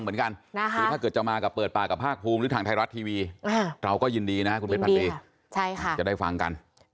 เอา